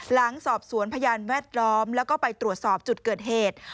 หลังสอบสวนพยานแวดล้อมแล้วก็ไปตรวจสอบจุดเกิดเหตุ